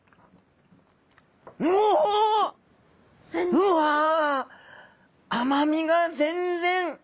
うわ甘みが全然。